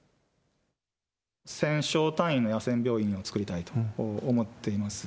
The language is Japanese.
１０００床単位の野戦病院を作りたいと思っています。